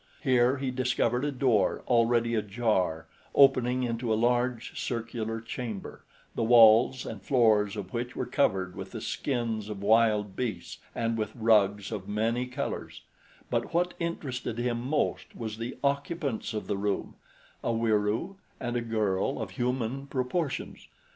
Here he discovered a door already ajar opening into a large, circular chamber, the walls and floors of which were covered with the skins of wild beasts and with rugs of many colors; but what interested him most was the occupants of the room a Wieroo, and a girl of human proportions.